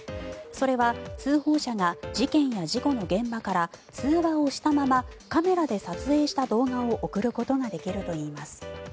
それは通報者が事件や事故の現場から通話をしたままカメラで撮影した動画を送ることができるといいます。